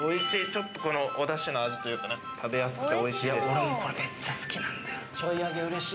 ちょっとおだしの味というか、食べやすくておいしいです。